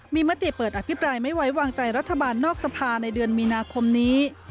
มีมติเปิดอภิปรายไม่ไว้วางใจรัฐบาลนอกสภาในเดือนมีนาคมนี้